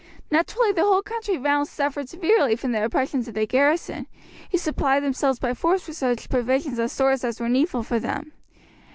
Naturally the whole country round suffered severely from the oppressions of the garrison, who supplied themselves by force with such provisions and stores as were needful for them.